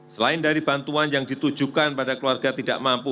selain dari bantuan yang ditujukan pada keluarga tidak mampu